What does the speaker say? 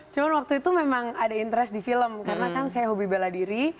cuma waktu itu memang ada interest di film karena kan saya hobi bela diri